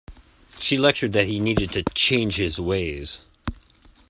She lectured that he needed to change his ways.